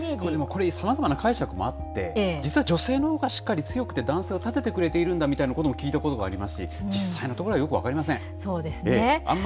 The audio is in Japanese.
これ、さまざまな解釈もあって、実は女性のほうがしっかり強くて、男性を立ててくれているんだみたいなことも聞いたことがありますし、実際のところはよく分かりません。